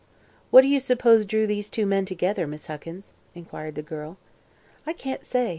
"What do you suppose drew those two men together, Miss Huckins?" inquired the girl. "I can't say.